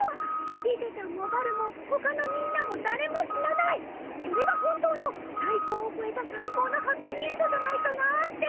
リゼたんもバルもほかのみんなも誰も死なないそれが本当の最高を超えた最高のハッピーエンドじゃないかなって。